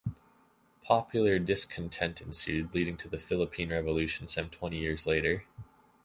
Popular discontent ensued, leading to the Philippine Revolution some twenty years later.